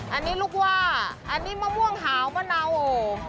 อันนี้ลูกว่าอันนี้มะม่วงหาวมะนาวโอ